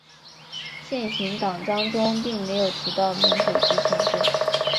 现行党章中并没有提到民主集权制。